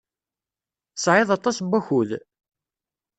Tesɛiḍ aṭas n wakud?